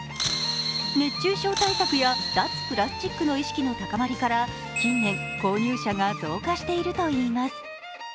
熱中症対策や脱プラスチックの意識の高まりから近年、購入者が増加しているといいます。